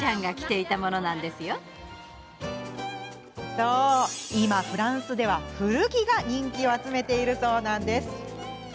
そう、今フランスでは、古着が人気を集めているそうなんです。